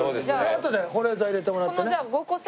あとで保冷剤入れてもらってね。